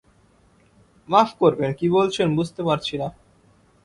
মাফ করবেন, কী বলছেন বুঝতে পারছি না।